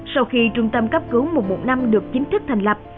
sau khi trung tâm cấp cứu một một năm được chính thức thành lập